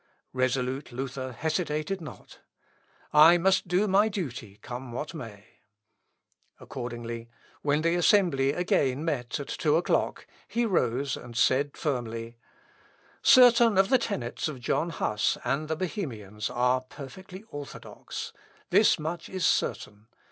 Resolute Luther hesitated not. "I must do my duty come what may." Accordingly, when the assembly again met at two o'clock, he rose and said firmly: "Certain of the tenets of John Huss and the Bohemians are perfectly orthodox. This much is certain.